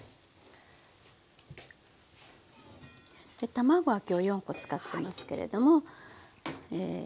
卵は今日４コ使ってますけれども。